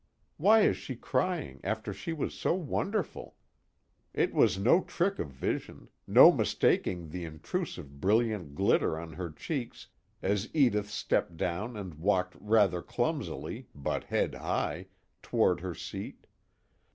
Why is she crying, after she was so wonderful?_ It was no trick of vision; no mistaking the intrusive brilliant glitter on her cheeks as Edith stepped down and walked rather clumsily but head high toward her seat.